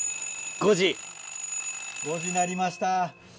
５時なりました。